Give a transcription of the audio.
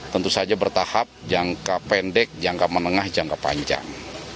tentu saja bertahap jangka pendek jangka menengah jangka panjang